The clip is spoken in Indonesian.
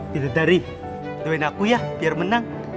bidadari doain aku ya biar menang